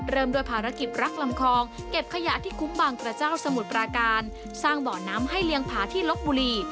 เริ่มด้วยภารกิจรักลำคองเก็บขยะที่คุ้มบางกระเจ้าสมุทรปราการสร้างบ่อน้ำให้เลี้ยงผาที่ลบบุรี